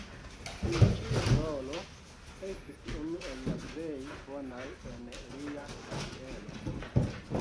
Tiu ĉi rolo estis unu el la plej bonaj en lia kariero.